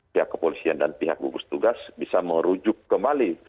pihak kepolisian dan pihak gugus tugas bisa merujuk kembali